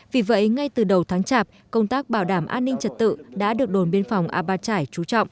vì vậy ngay từ đầu tháng chạp công tác bảo đảm an ninh trật tự đã được đồn biên phòng a ba trải chú trọng